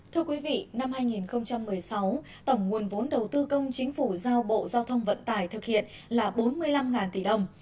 thưa quý vị năm hai nghìn một mươi sáu tổng nguồn vốn đầu tư công chính phủ giao bộ giao thông vận tải thực hiện là bốn mươi năm tỷ đồng